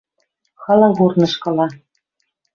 Хала корнышкыла